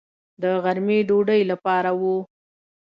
د غرمې ډوډۍ لپاره و.